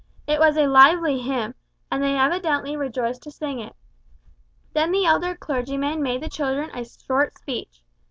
It was a lively hymn, and they evidently rejoiced to sing it. Then the elder clergyman made the children a short speech.